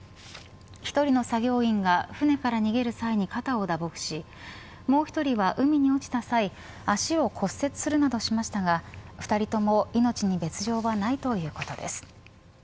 １人の作業員が船から逃げる際に肩を打撲しもう１人は海に落ちた際足を骨折するなどしましたが２人とも命に別条はないということです。